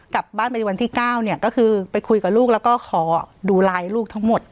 กลับบ้านไปวันที่๙เนี่ยก็คือไปคุยกับลูกแล้วก็ขอดูไลน์ลูกทั้งหมด